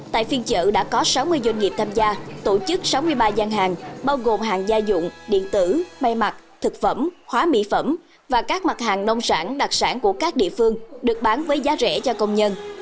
tại phiên chợ đã có sáu mươi doanh nghiệp tham gia tổ chức sáu mươi ba gian hàng bao gồm hàng gia dụng điện tử may mặt thực phẩm hóa mỹ phẩm và các mặt hàng nông sản đặc sản của các địa phương được bán với giá rẻ cho công nhân